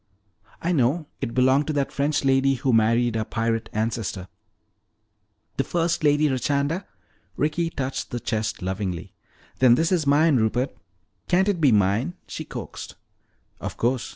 I know, it belonged to that French lady who married our pirate ancestor." "The first Lady Richanda!" Ricky touched the chest lovingly. "Then this is mine, Rupert. Can't it be mine?" she coaxed. "Of course.